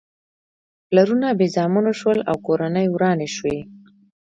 پلرونه بې زامنو شول او کورنۍ ورانې شوې.